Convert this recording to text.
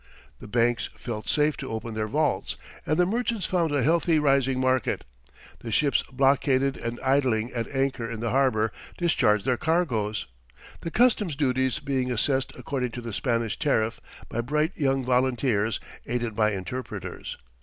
The banks felt safe to open their vaults, and the merchants found a healthily rising market. The ships blockaded and idling at anchor in the harbour discharged their cargoes, the customs duties being assessed according to the Spanish tariff by bright young volunteers, aided by interpreters.